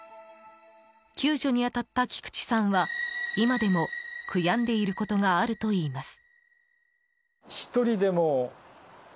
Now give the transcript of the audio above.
救助に当たった菊池さんは今でも悔やんでいることがあるといいます。